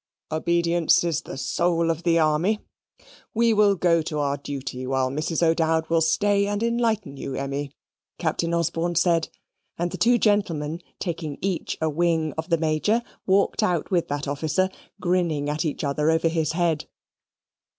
"Obedience is the soul of the army. We will go to our duty while Mrs. O'Dowd will stay and enlighten you, Emmy," Captain Osborne said; and the two gentlemen, taking each a wing of the Major, walked out with that officer, grinning at each other over his head.